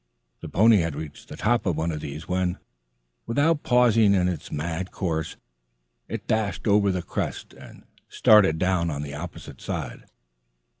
The pony had reached the top of one of these when, without pausing in its mad course, it dashed on over the crest, and started down the opposite side.